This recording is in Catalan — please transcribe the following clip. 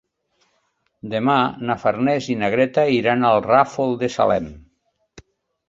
Demà na Farners i na Greta iran al Ràfol de Salem.